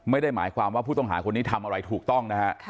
ไม่ได้หมายความว่าผู้ต้องหาคนนี้ทำอะไรถูกต้องนะฮะ